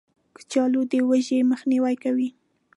کچالو د لوږې مخنیوی کوي